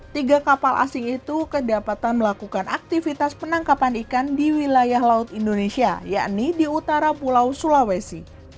tiga kapal asing itu kedapatan melakukan aktivitas penangkapan ikan di wilayah laut indonesia yakni di utara pulau sulawesi